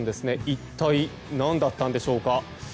一体何だったんでしょうか。